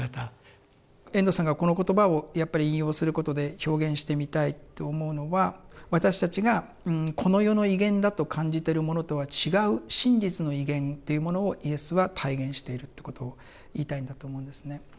遠藤さんがこの言葉を引用することで表現してみたいと思うのは私たちがこの世の威厳だと感じてるものとは違う真実の威厳っていうものをイエスは体現しているってことを言いたいんだと思うんですね。